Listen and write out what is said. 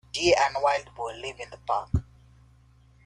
Deer and wild boar live in the park.